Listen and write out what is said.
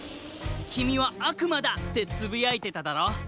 「きみはあくまだ！」ってつぶやいてただろ？